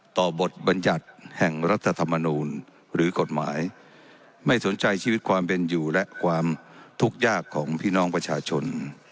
บทบัญญัติแห่งรัฐธรรมนูลหรือกฎหมายไม่สนใจชีวิตความเป็นอยู่และความทุกข์ยากของพี่น้องประชาชน